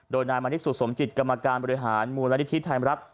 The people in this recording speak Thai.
โดยนายมณิสุสมจิตกรรมการบริหารมูลนิธิไทยรัฐ